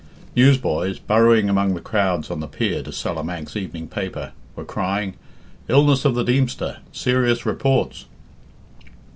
Newsboys, burrowing among the crowds on the pier to sell a Manx evening paper, were crying, "Illness of the Deemster serious reports."